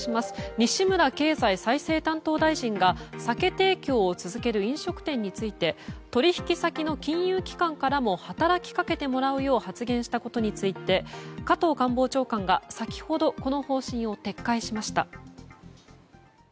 西村経済再生担当大臣が酒提供を続ける飲食店について取引先の金融機関からも働きかけてもらうよう発言したことについて加藤官房長官が先ほどこの方針を撤回しました。